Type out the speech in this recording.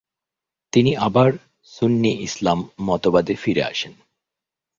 তিনি আবার সুন্নি ইসলাম মতবাদে ফিরে আসেন।